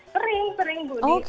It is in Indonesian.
pering pering bu